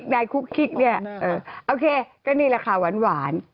นายคุกคิกเนี่ยเออโอเคก็นี่ราคาหวาน